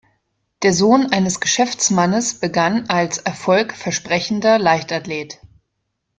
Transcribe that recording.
Der Sohn eines Geschäftsmannes begann als erfolgversprechender Leichtathlet.